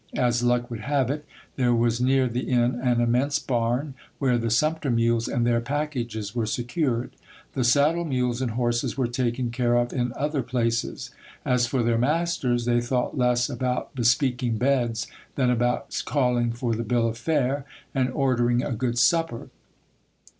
As luck would have it, there was near the inn an immense barn, where the sumpter mules and their packages were secured ; the saddle mules and horses were taken care of in other places. As for their masters, they thought less about bespeak ing beds than about calling for the bill of fare, and ordering a good supper.